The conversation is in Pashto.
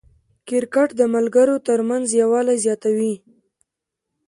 کرکټ د ملګرو ترمنځ یووالی زیاتوي.